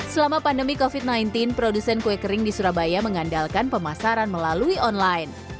selama pandemi covid sembilan belas produsen kue kering di surabaya mengandalkan pemasaran melalui online